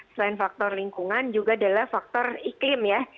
selain faktor lingkungan juga adalah faktor iklim ya